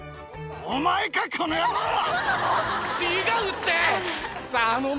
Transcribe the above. お前かこの野郎！